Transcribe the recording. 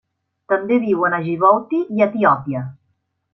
També viuen a Djibouti i a Etiòpia.